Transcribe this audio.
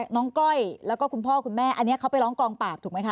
ก้อยแล้วก็คุณพ่อคุณแม่อันนี้เขาไปร้องกองปราบถูกไหมคะ